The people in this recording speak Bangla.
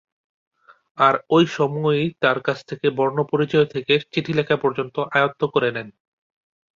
আর ওই সময়েই তার কাছ থেকে বর্ণপরিচয় থেকে চিঠি লেখা পর্যন্ত আয়ত্ত করে নেন।